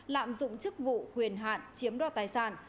lạm dụng chức vụ quyền hạn chiếm đoạt tài sản